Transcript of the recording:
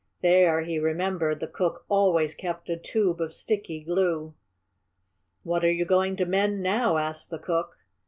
There, he remembered, the cook always kept a tube of sticky glue. "What are you going to mend now?" asked the cook.